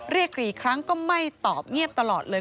เรียกกี่ครั้งก็ไม่ตอบเงียบตลอดเลย